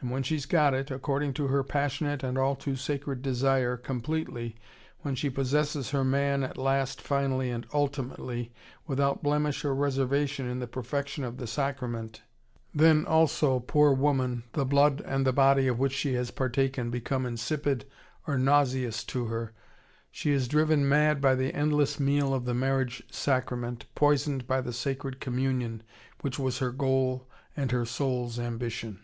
And when she's got it, according to her passionate and all too sacred desire, completely, when she possesses her man at last finally and ultimately, without blemish or reservation in the perfection of the sacrament: then, also, poor woman, the blood and the body of which she has partaken become insipid or nauseous to her, she is driven mad by the endless meal of the marriage sacrament, poisoned by the sacred communion which was her goal and her soul's ambition.